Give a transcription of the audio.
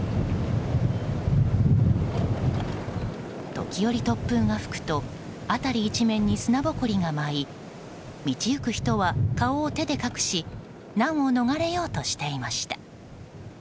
時折、突風が吹くと辺り一面に砂ぼこりが舞い道行く人は顔を手で隠し難を逃れようとしていました。